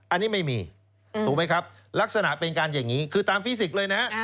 อันนี้ไม่มีถูกไหมครับลักษณะเป็นการอย่างนี้คือตามฟิสิกส์เลยนะฮะ